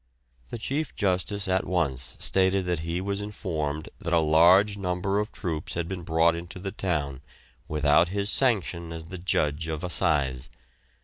The Chief Justice at once stated that he was informed that a large number of troops had been brought into the town, without his sanction as the Judge of Assize.